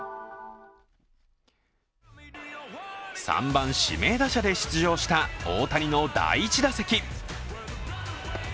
３番、指名打者で出場した大谷の第１打席。